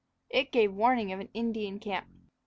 It gave warning of an Indian camp.